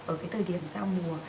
ở cái thời điểm ra mùa